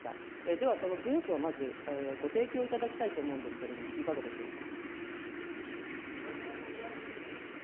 ではその文書をまず、ご提供いただきたいと思うんですけれどもいかがでしょうか。